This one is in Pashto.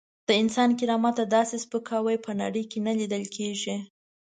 د انسان کرامت ته داسې سپکاوی په نړۍ کې نه لیدل کېږي.